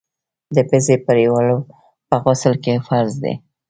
د پزي پرېولل په غسل کي فرض دي.